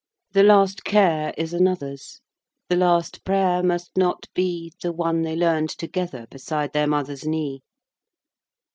The last care is another's; The last prayer must not be The one they learnt together Beside their mother's knee.